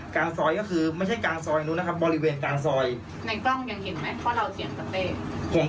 คือผมผมอยู่คือในกล้องเหมือนจะไม่ได้เห็น